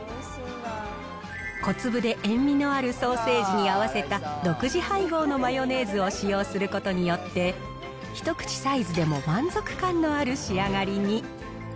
小粒で塩味のあるソーセージに合わせた独自配合のマヨネーズを使用することによって、一口サイズでも満足感のある仕上がりに。